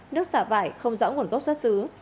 nước xả vải không rõ nguồn gốc xuất xứ